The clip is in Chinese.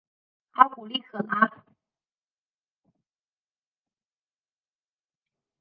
阿古利可拉。